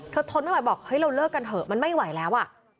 ทนไม่ไหวบอกเฮ้ยเราเลิกกันเถอะมันไม่ไหวแล้ว